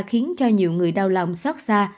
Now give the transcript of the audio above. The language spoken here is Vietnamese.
khiến cho nhiều người đau lòng sót xa